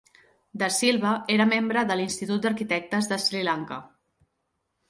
De Silva era membre de l'Institut d'Arquitectes d'Sri Lanka.